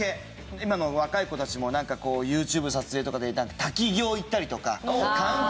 今の若い子たちもなんかこうＹｏｕＴｕｂｅの撮影とかで滝行行ったりとか寒中